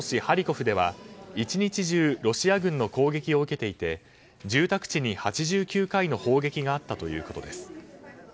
ハリコフでは１日中ロシア軍の攻撃を受けていて住宅地に８９回の砲撃があったということです。